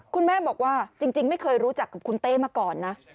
คุณแม่บอกว่าจริงไม่เคยรู้จักกับคุณเต้มาก่อนนะ